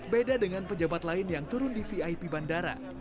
beda dengan pejabat lain yang turun di vip bandara